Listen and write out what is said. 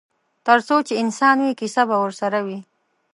ترڅو چې انسان وي کیسه به ورسره وي.